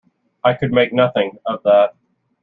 I could make nothing of that.